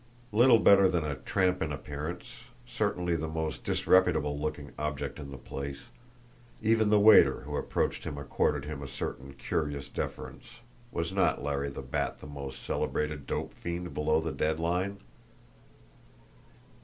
Little better than a tramp in appearance, certainly the most disreputable looking object in the place, even the waiter who approached him accorded him a certain curious deference was not Larry the Bat the most celebrated dope fiend below the dead line?